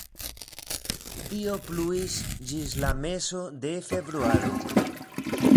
Tio pluis ĝis la mezo de februaro.